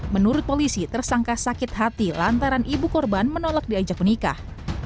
menurut polisi tersangka sakit hati lantaran ibu korban menolak diajak menikah